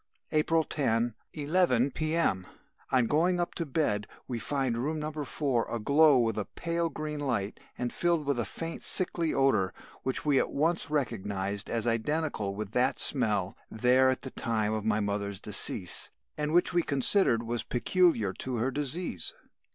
"April 10, 11 P.M. On going up to bed, we find room No. 4 aglow with a pale green light and filled with a faint sickly odour, which we at once recognised as identical with that smelt there at the time of my mother's decease and which we considered was peculiar to her disease.